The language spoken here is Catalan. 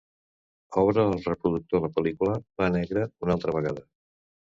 Obre al reproductor la pel·lícula "Pa negre" una altra vegada.